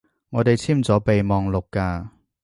我哋簽咗備忘錄㗎